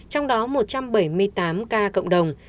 trong đó một trăm bảy mươi tám ca cộng đồng